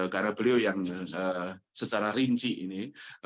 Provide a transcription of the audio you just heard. karena beliau yang secara rinci ini